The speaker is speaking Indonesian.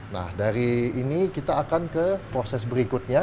nah dari ini kita akan ke proses berikutnya